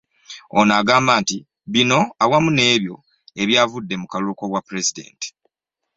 Ono agamba nti bino wamu n'ebyo ebyavudde mu kalulu k'obwapulezidenti